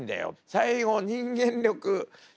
最後人間力。